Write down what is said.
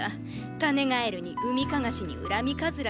タネガエルにウミカガシにウラミカズラ。